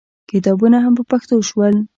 کتابونه هم په پښتو شول.